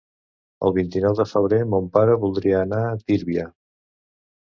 El vint-i-nou de febrer mon pare voldria anar a Tírvia.